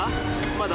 まだ？